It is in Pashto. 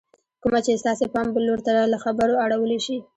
کومه چې ستاسې پام بل لور ته له خبرو اړولی شي